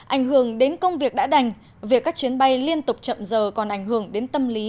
ảnh hưởng đến công việc đã đành việc các chuyến bay liên tục chậm giờ còn ảnh hưởng đến tâm lý